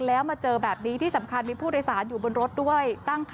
แล้วมาเจอแบบนี้ที่สำคัญมีผู้โดยสารอยู่บนรถด้วย